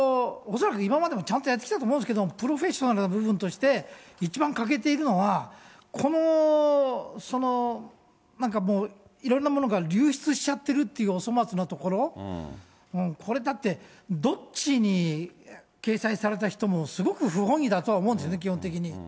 そのコンサルの会社が会社が本当に、恐らく今までもちゃんとやってきたと思うんですけど、プロフェッショナルな部分として、一番欠けているのは、このなんかもう、いろんなものが流出しちゃってるっていうお粗末なところ、これだって、どっちに掲載された人もすごく不本意だとは思うんですよね、基本的に。